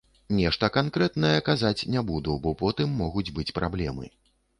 Нешта канкрэтнае казаць не буду, бо потым могуць быць праблемы.